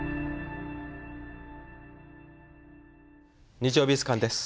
「日曜美術館」です。